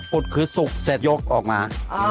อุดคือสุกเสร็จยกออกมา